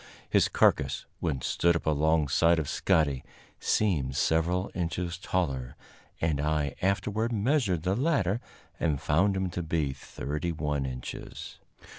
His carcass, when stood up alongside of Scotty, seemed several inches taller, and I afterward measured the latter and found him to be thirty one inches.